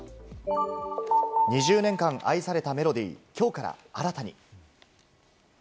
２０年間愛されたメロディー、きょうから新たに。